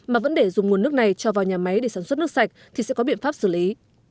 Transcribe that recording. mà vẫn để dùng nguồn nước này cho vào nhà máy để sản xuất nước sạch thì sẽ có biện pháp xử lý